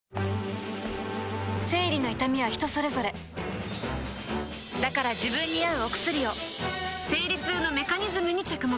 生理の痛みは人それぞれだから自分に合うお薬を生理痛のメカニズムに着目